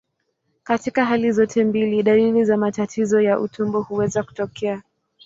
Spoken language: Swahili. Katika hali zote mbili, dalili za matatizo ya utumbo huweza kutokea.